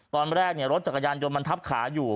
ตอนแรกรถจักรยายนโยมันทับข่าอยู่